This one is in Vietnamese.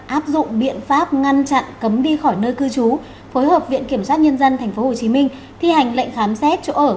áp dụng biện pháp ngăn chặn cấm đi khỏi nơi cư trú phối hợp viện kiểm sát nhân dân tp hcm thi hành lệnh khám xét chỗ ở